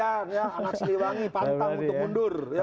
anak siliwangi pantang untuk mundur